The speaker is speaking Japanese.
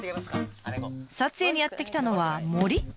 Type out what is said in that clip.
撮影にやって来たのは森？